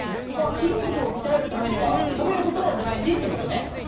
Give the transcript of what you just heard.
まあ筋肉をきたえるためには食べることもだいじってことね！